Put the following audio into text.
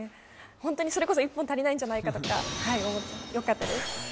ホントにそれこそ１本足りないんじゃないかとかはい思ってよかったです